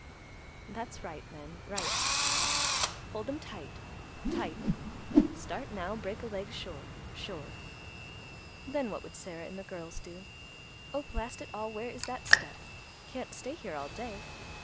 "That's right, man, right," he puffed. "Hold them tight; tight. Start now, break a leg sure, sure. Then what would Sarah and the girls do? Oh, blast it all, where is that step? Can't stay here all day.